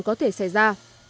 có thể xảy ra